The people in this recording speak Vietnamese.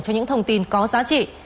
cho những thông tin có giá trị